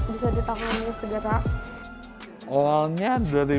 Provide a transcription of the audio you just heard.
bisa ditangani segera